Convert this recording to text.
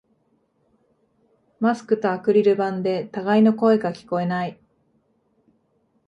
マスクとアクリル板で互いの声が聞こえない